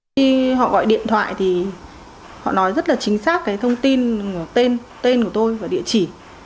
khi họ gọi điện thoại thì họ nói rất là chính xác cái thông tin tên của tôi và địa chỉ